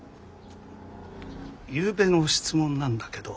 ゆうべの質問なんだけど。